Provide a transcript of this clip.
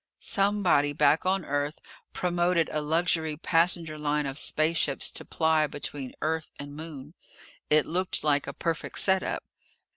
Somebody back on Earth promoted a luxury passenger line of spaceships to ply between Earth and Moon. It looked like a perfect set up.